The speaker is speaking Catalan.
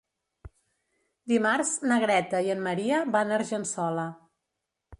Dimarts na Greta i en Maria van a Argençola.